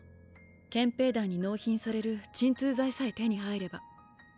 憲兵団に納品される鎮痛剤さえ手に入れば。